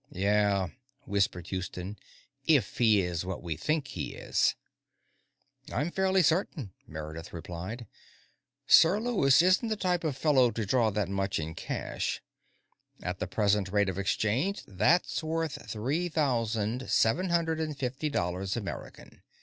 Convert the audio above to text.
"Yeah," whispered Houston, "if he is what we think he is." "I'm fairly certain," Meredith replied. "Sir Lewis isn't the type of fellow to draw that much in cash. At the present rate of exchange, that's worth three thousand seven hundred and fifty dollars American.